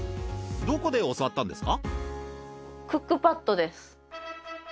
どこで教わったんですか？